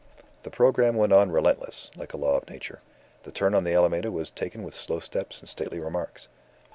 The programme went on relentless, like a law of Nature. The turn on the Alameda was taken with slow steps and stately remarks.